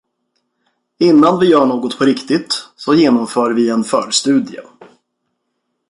Innan vi gör något på riktigt så genomför vi en förstudie.